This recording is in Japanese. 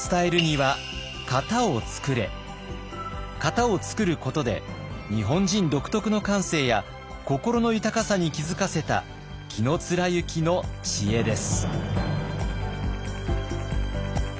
型を創ることで日本人独特の感性や心の豊かさに気付かせた紀貫之の知恵です。